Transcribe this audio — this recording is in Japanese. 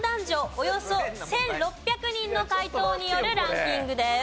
およそ１６００人の回答によるランキングです。